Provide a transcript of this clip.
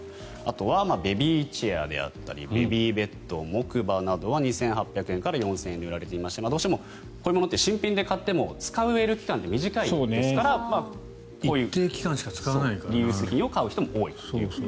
あとはベビーチェアであったりベビーベッド木馬などは２８００円から４０００円で売られていましてどうしてもこういうものって新品で買っても使える期間って短いですからこういうリユース品を買う人も多いという。